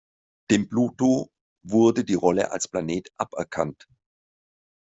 Dem Pluto wurde die Rolle als Planet aberkannt.